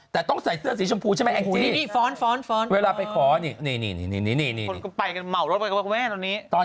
แต่ต้องใส่เสื้อสีชมพูใช่ไหมแอนกทีนี่นี่ฟ้อน